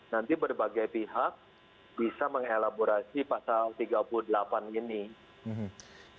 nanti berbagai pihak bisa mengelaborasi pasal tiga puluh delapan ini